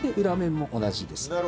裏面も同じです。